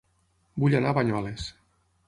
Vull anar a Banyoles